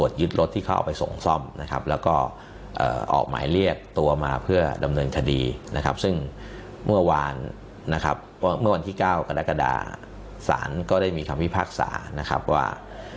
ซึ่งเมื่อวานที่๙กรกฎาสารก็ได้มีคำพิพากษาว่า